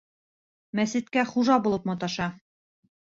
Мәсеткә хужа булып маташа.